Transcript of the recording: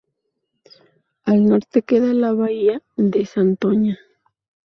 Al norte queda la Bahía de Santoña.